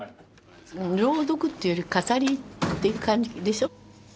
朗読っていうより語りっていう感じでしょ。